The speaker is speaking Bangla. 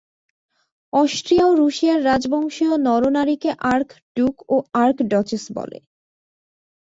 অষ্ট্রীয়া ও রুশিয়ার রাজবংশীয় নর-নারীকে আর্ক-ড্যুক ও আর্ক-ডচেস বলে।